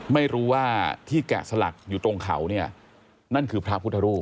ไม่รู้ว่าที่แกะสลักอยู่ตรงเขาเนี่ยนั่นคือพระพุทธรูป